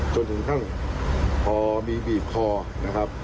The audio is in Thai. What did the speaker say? จนถึงขั้นพอมีบีบคอนะครับ